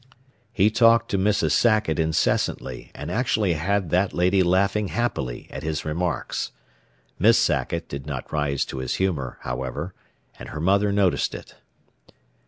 He talked to Mrs. Sackett incessantly and actually had that lady laughing happily at his remarks. Miss Sackett did not rise to his humor, however, and her mother noticed it.